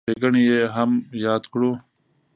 ښېګڼې یې هم یادې کړو.